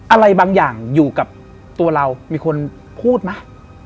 อะไรบางอย่างอยู่กับตัวเรามีคนพูดไหม